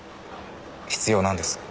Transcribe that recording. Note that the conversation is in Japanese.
必要なんです。